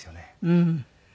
うん。